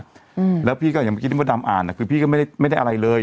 อืมแล้วพี่ก็อย่างเมื่อกี้ที่มดดำอ่านอ่ะคือพี่ก็ไม่ได้ไม่ได้อะไรเลย